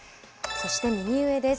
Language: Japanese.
そして右上です。